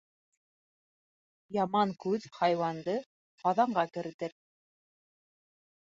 Яман күҙ хайуанды ҡаҙанға керетер